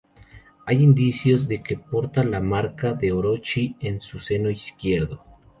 Hay indicios de que porta la marca de Orochi en su seno izquierdo.